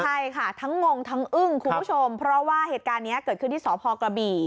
ใช่ค่ะทั้งงงคุณผู้ชมเพราะว่าเหตุการณ์นี้เกิดขึ้นที่สพกบ